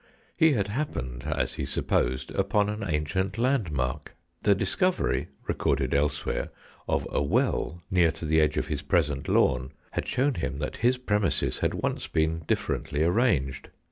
He had happened, as he supposed, upon an ancient landmark. The discovery, recorded elsewhere, of a well, near to the edge of his present lawn, had shown him that his premises had once been differently arranged.